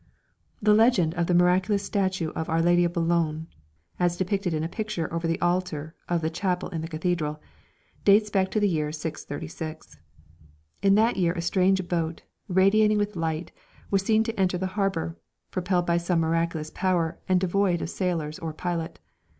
The legend of the miraculous statue of Our Lady of Boulogne, as depicted in a picture over the altar of the chapel in the cathedral, dates back to the year 636. In that year a strange boat, radiating with light, was seen to enter the harbour, propelled by some miraculous power and devoid of sailors or pilot.